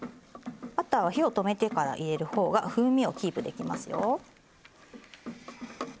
バターは火を止めてから入れる方が風味をキープできますよ。